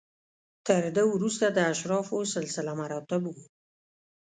تر ده وروسته د اشرافو سلسله مراتب و.